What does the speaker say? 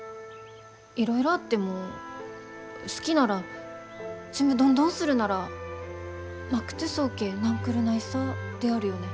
いろいろあっても好きならちむどんどんするならまくとぅそーけーなんくるないさであるよね？